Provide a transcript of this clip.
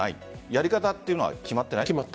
やり方というのは決まっていない？